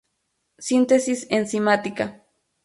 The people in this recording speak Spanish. Síntesis enzimática.